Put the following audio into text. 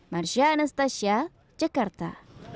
marsha anastasia jakarta